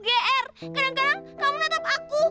kadang kadang kamu nantep aku